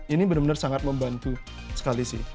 ini benar benar sangat membantu sekali sih